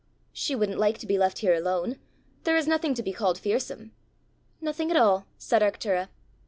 "She wouldn't like to be left here alone. There is nothing to be called fearsome!" "Nothing at all," said Arctura.